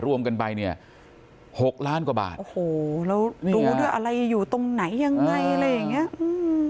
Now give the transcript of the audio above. รวมกันไปเนี่ย๖ล้านกว่าบาทโอ้โหแล้วรู้ด้วยอะไรอยู่ตรงไหนยังไง